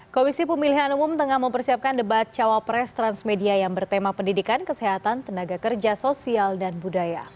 komisi pemilihan umum tengah mempersiapkan debat cawapres transmedia yang bertema pendidikan kesehatan tenaga kerja sosial dan budaya